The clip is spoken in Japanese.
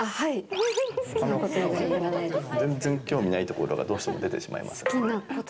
全然興味ないところがどうしても出てしまいますんで。